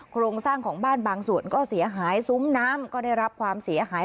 โครงสร้างของบ้านบางส่วนก็เสียหายซุ้มน้ำก็ได้รับความเสียหาย